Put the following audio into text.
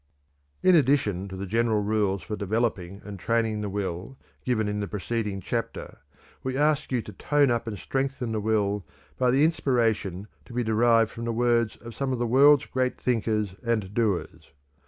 In addition to the general rules for developing and training the will given in the preceding chapter, we ask you to tone up and strengthen the will by the inspiration to be derived from the words of some of the world's great thinkers and doers.